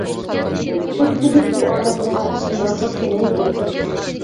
تۆت كۈنلۈك بۇ ئالەمدە، يارغا قېنىپ ئۆتكۈلۈك.